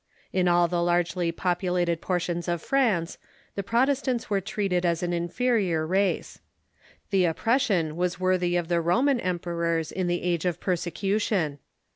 In all the largely populated portions of France the Protestants were treated as an inferior race. The oppression was worthy of the Roman emperors in the age of persecution.